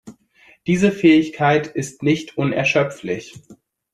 Diese Fähigkeit ist nicht unerschöpflich.